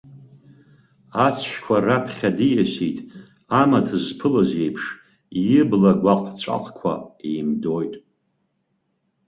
Ацәқәа раԥхьаҟа диасит, амаҭ зԥылаз иеиԥш, ибла гәаҟ-ҵәаҟқәа еимдоит.